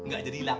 gak jadi hilang